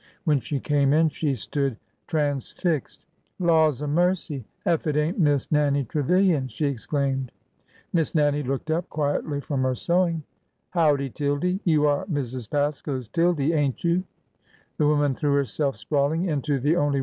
When she came in, she stood transfixed. '' Laws a mercy ! Ef it ain't Miss Nannie Trevilian 1 " she exclaimed. Miss Nannie looked up quietly from her sewing. 358 ORDER NO. 11 ''Howdy, Tildy! You are Mrs. Pasco^s Tildy, ain't 1 you?" ] The woman threw herself sprawling into the only